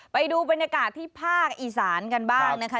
ไปดูบรรยากาศที่ภาคอีสานกันบ้างนะคะ